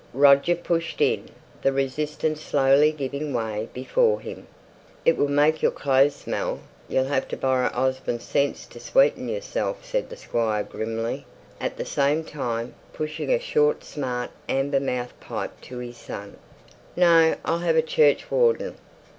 Roger pushed in, the resistance slowly giving way before him. "It will make your clothes smell. You'll have to borrow Osborne's scents to sweeten yourself," said the Squire, grimly, at the same time pushing a short smart amber mouthed pipe to his son. "No; I'll have a churchwarden.